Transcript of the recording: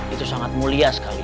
itu sangat mulia sekali